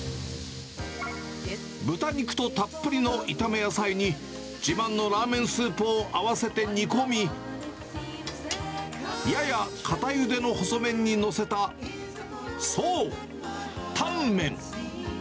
豚肉とたっぷりの炒め野菜に、自慢のラーメンスープを合わせて煮込み、やや固ゆでの細麺に載せた、そう、タンメン。